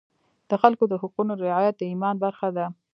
د خلکو د حقونو رعایت د ایمان برخه ده.